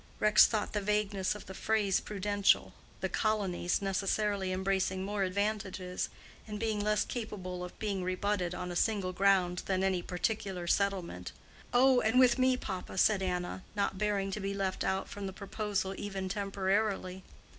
Rex thought the vagueness of the phrase prudential; "the colonies" necessarily embracing more advantages, and being less capable of being rebutted on a single ground than any particular settlement. "Oh, and with me, papa," said Anna, not bearing to be left out from the proposal even temporarily.